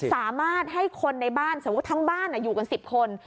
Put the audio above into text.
สามารถให้คนในบ้านสมมุติทั้งบ้านอยู่กัน๑๐คน